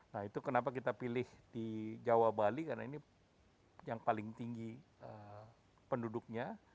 nah itu kenapa kita pilih di jawa bali karena ini yang paling tinggi penduduknya